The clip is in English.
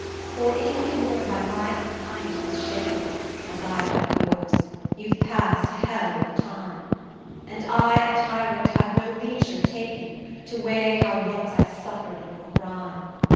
For if you were by my unkindness shaken, As I by yours, you've pass'd a hell of time; And I, a tyrant, have no leisure taken To weigh how once I suffer'd in your crime.